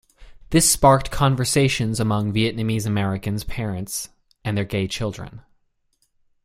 This sparked conversations among Vietnamese Americans parents and their gay children.